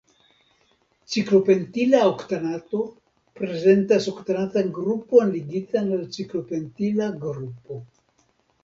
Ciklopentila oktanato prezentas oktanatan grupon ligitan al ciklopentila grupo.